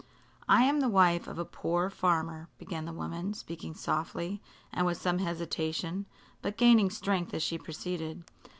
"I am the wife of a poor farmer," began the woman, speaking softly and with some hesitation, but gaining strength as she proceeded.